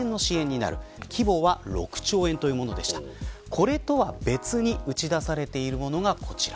これとは別に打ち出されているものがこちら。